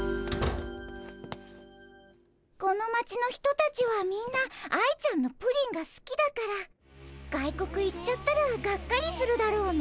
この町の人たちはみんな愛ちゃんのプリンがすきだから外国行っちゃったらがっかりするだろうね。